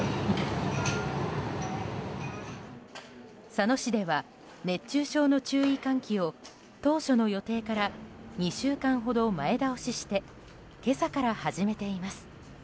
佐野市では熱中症の注意喚起を当初の予定から２週間ほど前倒しして今朝から始めています。